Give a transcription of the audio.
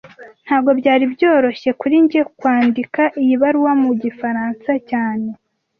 Ntago byari byoroshye kuri njye kwandika iyi baruwa mu gifaransa cyane